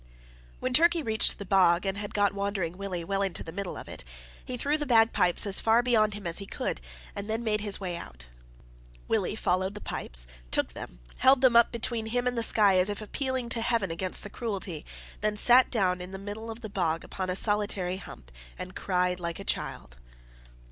When Turkey reached the bog, and had got Wandering Willie well into the middle of it, he threw the bagpipes as far beyond him as he could, and then made his way out. Willie followed the pipes, took them, held them up between him and the sky as if appealing to heaven against the cruelty, then sat down in the middle of the bog upon a solitary hump, and cried like a child.